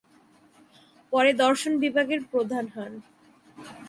পরে দর্শন বিভাগের প্রধান হন।